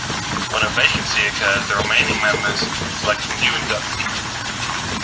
When a vacancy occurs, the remaining members select a new inductee.